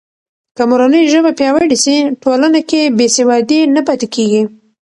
که مورنۍ ژبه پیاوړې سي، ټولنه کې بې سوادي نه پاتې کېږي.